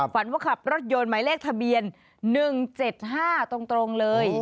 ฝันว่าขับรถยนต์หมายเลขทะเบียน๑๗๕ตรงเลย